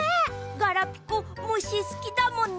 ガラピコむしすきだもんね。